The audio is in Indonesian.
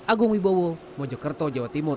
agung wibowo mojokerto jawa timur